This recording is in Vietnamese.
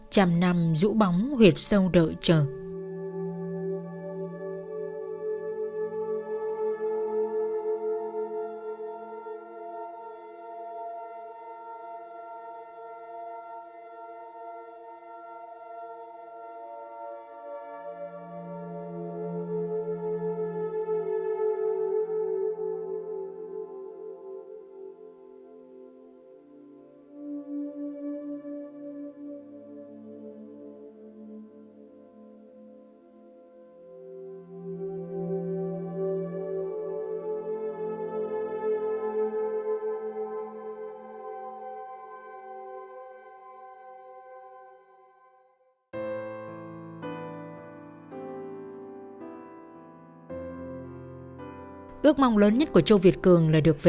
trầm năm rũ bóng huyệt sâu đợi chờ